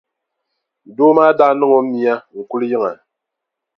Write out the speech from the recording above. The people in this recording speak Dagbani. Doo maa daa niŋ o mia n-kuli yiŋa.